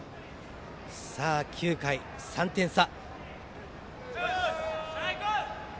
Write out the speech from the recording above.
９回、３点差。